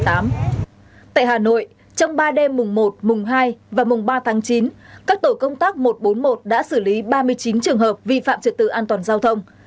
tại hà nội trong ba đêm mùng một mùng hai và mùng ba tháng chín các tổ công tác một trăm bốn mươi một đã xử lý ba mươi chín trường hợp vi phạm trật tự an toàn giao thông